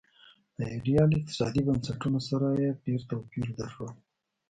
له ایډیال اقتصادي بنسټونو سره یې ډېر توپیر درلود.